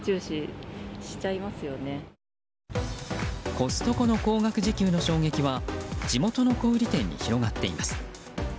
コストコの高額時給の衝撃は地元の小売店に広がっています。